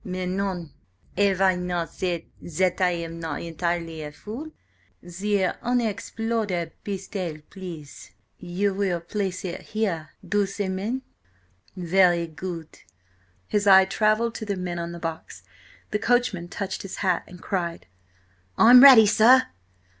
"Mais non. Have I not said that I am not entirely a fool? The unexploded pistol, please. You will place it here, doucement. Very good." His eye travelled to the men on the box. The coachman touched his hat and cried: "I'm ready, sir!"